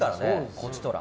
こちとら。